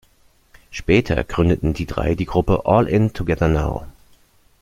Später gründeten die Drei die Gruppe "All In Together Now".